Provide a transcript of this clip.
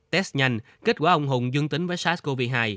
test nhanh kết quả ông hùng dương tính với sars cov hai